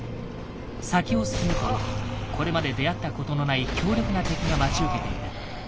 先を進むとこれまで出会ったことのない強力な敵が待ち受けていた。